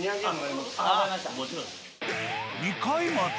２回まで。